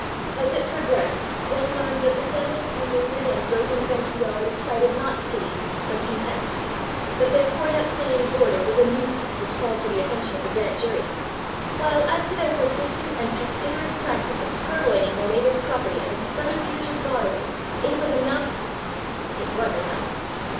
As it progrest, one learned that the family's denuded and broken fenced yard excited not pity, but contempt ; that their cornet playing boarder was a nuisance which called for the attention of the Grand Jury ; while as to their persistent and pestiferous practise of purloining their neighbors' property under the subterfuge of borrowing, it was enough It was enough.